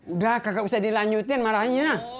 udah kakak usah dilanjutin marahnya